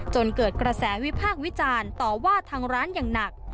จนเกิดกระแสวิพากษ์วิจารณ์ต่อว่าทางร้านอย่างหนัก